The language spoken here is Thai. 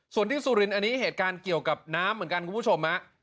ส่วนที่สุรินทร์อันนี้เหตุการณ์เกี่ยวกับน้ำเหมือนกันคุณผู้ชมฮะ